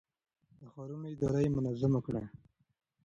د ښارونو اداره يې منظم کړه.